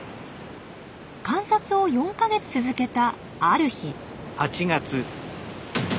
観察を４か月続けたある日。